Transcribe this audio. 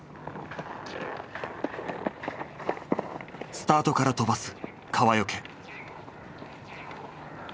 スタートから飛ばす川除。